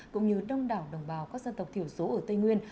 cũng như đông đảo đồng bào các dân tộc thiểu số ở tây nguyên